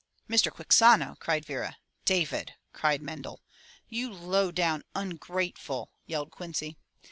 *' "Mr. Quixano!'' cried Vera. "David!'' cried Mendel. "You low down ungrateful —!" yelled Quincy.